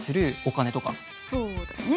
そうだね。